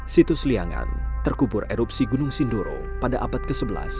situs liangan terkubur erupsi gunung sindoro pada abad ke sebelas